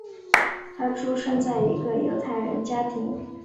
他出生在一个犹太人家庭。